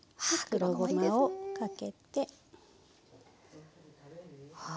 黒ごまをかけて。